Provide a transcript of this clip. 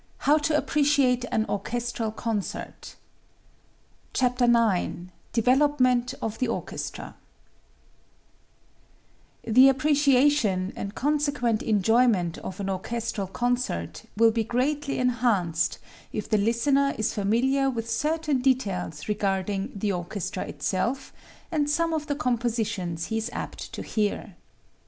HOW TO APPRECIATE AN ORCHESTRAL CONCERT IX DEVELOPMENT OF THE ORCHESTRA The appreciation and consequent enjoyment of an orchestral concert will be greatly enhanced if the listener is familiar with certain details regarding the orchestra itself and some of the compositions he is apt to hear.